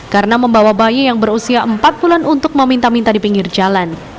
karena membawa bayi yang berusia empat bulan untuk meminta minta di pinggir jalan